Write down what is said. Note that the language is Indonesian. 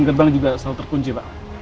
dan gerbang juga selalu terkunci pak